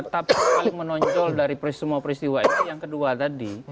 tapi yang paling menonjol dari semua peristiwa itu yang kedua tadi